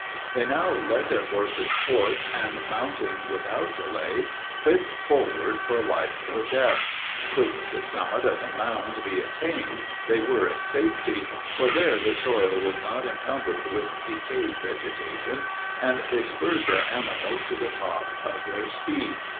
They now led their horses forth, and, mounting without delay, whipped forward for life or death. Could the summit of the mound be attained, they were in safety for there the soil was not encumbered with decayed vegetation and they spurred their animals to the top of their speed.